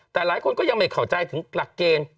แต่หลายคนก็ยังไม่เข้าใจถึงหลักเกณฑ์